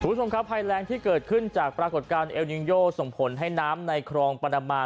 คุณผู้ชมครับภัยแรงที่เกิดขึ้นจากปรากฏการณ์เอลนิงโยส่งผลให้น้ำในครองปนามา